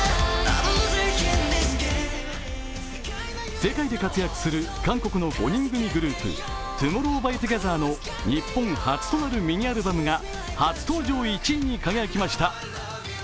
世界で活躍する韓国の５人組グループＴＯＭＯＲＲＯＷＸＴＯＧＥＴＨＥＲの日本初となるミニアルバムが初登場１位に輝きました。